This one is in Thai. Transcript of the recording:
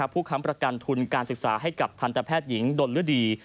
ค้ำประกันทุนการศึกษาให้กับทันตแพทย์หญิงดนฤดี